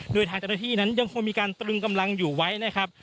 โดยทางเจ้าหน้าที่นั้นยังคงมีการตรึงกำลังอยู่ไว้นะครับ